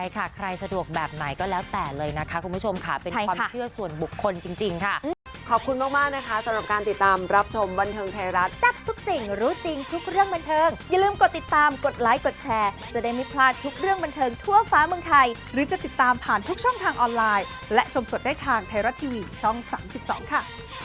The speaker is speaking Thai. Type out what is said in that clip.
ใครสะดวกแบบไหนก็แล้วแต่เลยนะคะคุณผู้ชมค่ะเป็นความเชื่อส่วนบุคคลจริงค่ะ